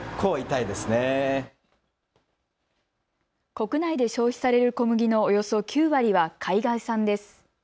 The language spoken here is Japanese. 国内で消費される小麦のおよそ９割は海外産です。